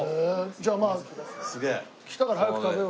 じゃあまあ来たから早く食べようよ。